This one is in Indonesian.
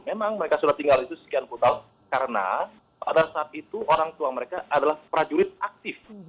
memang mereka sudah tinggal itu sekian puluh tahun karena pada saat itu orang tua mereka adalah prajurit aktif